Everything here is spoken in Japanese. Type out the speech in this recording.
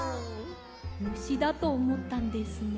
むしだとおもったんですね。